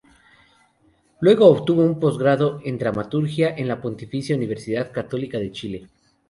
Luego obtuvo un posgrado en Dramaturgia en la Pontificia Universidad Católica de Chile.